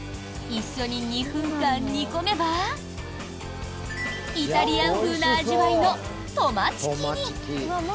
一緒に２分間煮込めばイタリアン風な味わいのトマチキに。